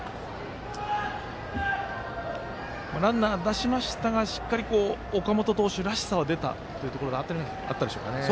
ランナー出しましたがしっかり、岡本投手らしさは出たというところはあったでしょうか。